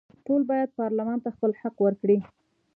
ټول باید پارلمان ته خپل حق ورکړي.